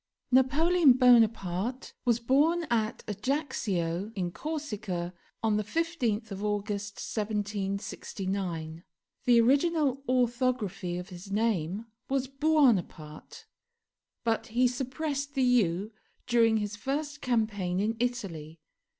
NAPOLEON BONAPARTE was born at Ajaccio, in Corsica, on the 15th of August 1769; the original orthography of his name was Buonaparte, but he suppressed the u during his first campaign in Italy.